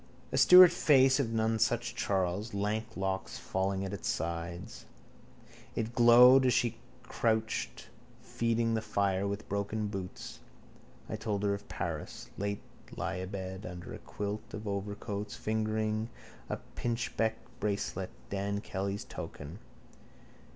A Stuart face of nonesuch Charles, lank locks falling at its sides. It glowed as she crouched feeding the fire with broken boots. I told her of Paris. Late lieabed under a quilt of old overcoats, fingering a pinchbeck bracelet, Dan Kelly's token.